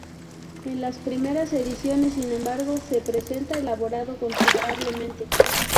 En las primeras ediciones, sin embargo, se presenta elaborado considerablemente.